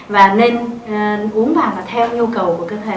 và nên uống vào và theo nhu cầu